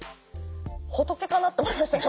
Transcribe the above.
仏かなと思いました。